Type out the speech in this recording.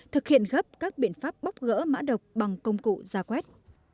thực hiện gấp các biện pháp bóc gỡ mã độc bằng công cụ gia quét